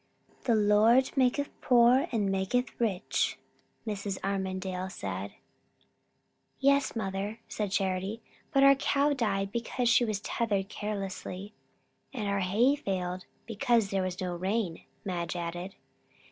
"'The Lord maketh poor and maketh rich,'" Mrs. Armadale said. "Yes, mother," said Charity; "but our cow died because she was tethered carelessly." "And our hay failed because there was no rain," Madge added.